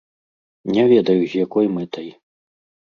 Не ведаю, з якой мэтай.